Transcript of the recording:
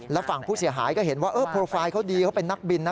แล้วฝั่งผู้เสียหายก็เห็นว่าโปรไฟล์เขาดีเขาเป็นนักบินนะ